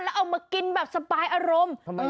แล้วเอามากินแบบสบายอารมณ์